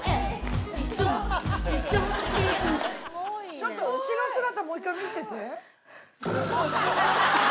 ちょっと後ろ姿、もう一回見せて。